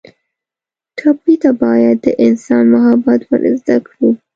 ټپي ته باید د انسان محبت ور زده کړو.